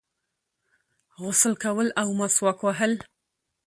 غسل کول او مسواک وهل